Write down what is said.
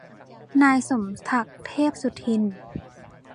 นายสมศักดิ์ เทพสุทิน